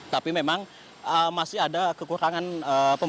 tapi memang masih ada kekurangan